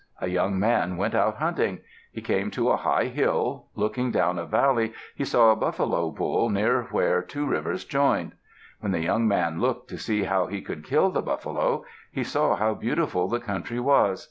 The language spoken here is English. A young man went out hunting. He came to a high hill. Looking down a valley, he saw a buffalo bull near where two rivers joined. When the young man looked to see how he could kill the buffalo, he saw how beautiful the country was.